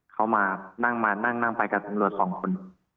เขามานั่งมานั่งไปกับตำรวจสองคน